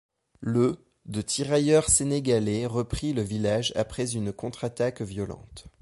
Le de tirailleurs sénégalais reprit le village après une contre-attaque violente.